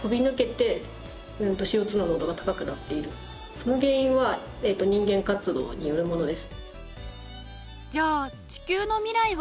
その原因は人間活動によるものです。